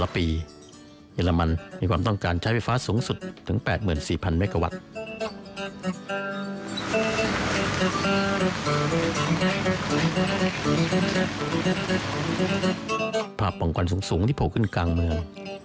ป่องควันสูงที่โผล่ขึ้นกลางเมือง